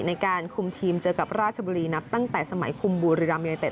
ในการคุมทีมเจอกับราชบุรีนับตั้งแต่สมัยคุมบุรีรัมยูเนเต็